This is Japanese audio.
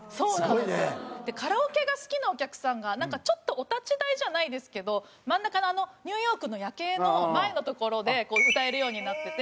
すごいね！でカラオケが好きなお客さんがなんかちょっとお立ち台じゃないですけど真ん中のあのニューヨークの夜景の前の所でこう歌えるようになってて。